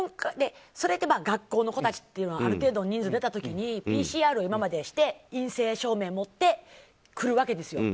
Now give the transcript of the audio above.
それって学校の子たちとかある程度、人数が出た時にＰＣＲを今までして陰性証明を持って、来るわけです。